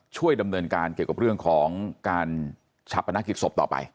ช่วยดำเนินการเกี่ยวกับเรื่องของการชาปนกิจศพต่อไป